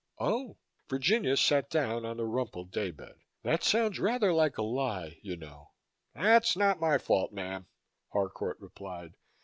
"Oh!" Virginia sat down on the rumpled day bed. "That sounds rather like a lie, you know." "That's not my fault, mam," Harcourt replied.